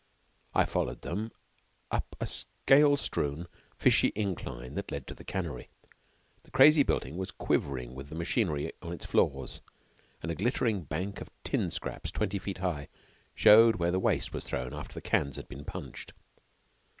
I followed them up a scale strewn, fishy incline that led to the cannery. The crazy building was quivering with the machinery on its floors, and a glittering bank of tin scraps twenty feet high showed where the waste was thrown after the cans had been punched.